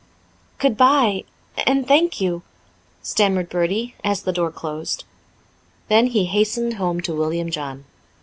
"Goodbye and thank you," stammered Bertie, as the door closed. Then he hastened home to William John.